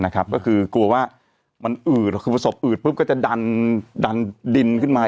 คือกลัวว่ามันอืดคือพอศพอืดก็จะดันดินขึ้นมา